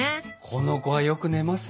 この子はよく寝ますね。